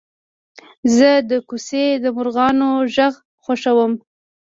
زه د کوڅې د مرغانو غږ خوښوم.